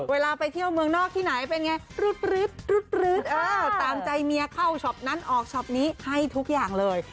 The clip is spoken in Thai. เวลาไปเที่ยวเมืองนอกที่ไหนเป็นไงรุดตามใจเมียเข้าช็อปนั้นออกช็อปนี้ให้ทุกอย่างเลย